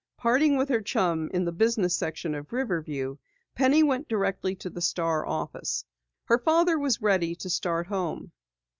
Parting with her chum in the business section of Riverview, Penny went directly to the Star office. Her father was ready to start home.